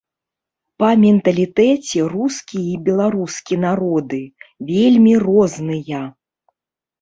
Па менталітэце рускі і беларускі народы вельмі розныя.